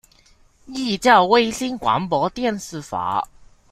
依照衛星廣播電視法